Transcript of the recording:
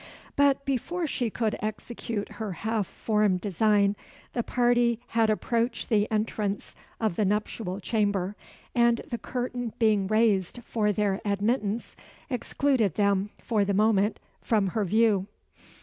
But before she could execute her half formed design, the party had approached the entrance of the nuptial chamber; and the curtain being raised for their admittance, excluded them, the next moment, from her view.